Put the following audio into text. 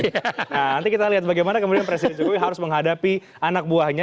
nah nanti kita lihat bagaimana kemudian presiden jokowi harus menghadapi anak buahnya